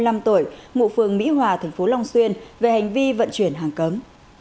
mụ phường mỹ hòa thành phố long xuyên về hành vi vận chuyển hàng cấm